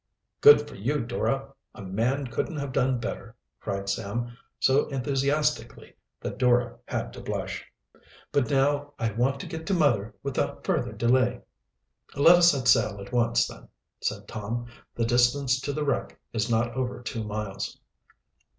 "Good for you, Dora, a man couldn't have done better," cried Sam so enthusiastically that Dora had to blush. "But now I want to get to mother without further delay." "Let us set sail at once, then," said Tom. "The distance to the wreck is not over two miles."